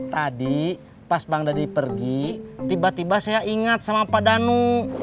tadi pas bang dhani pergi tiba tiba saya ingat sama pak danu